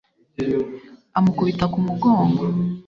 amukubita ku mugongo